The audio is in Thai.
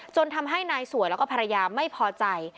จนทำให้นายสวยแล้วก็ภรรยาไม่พอใจ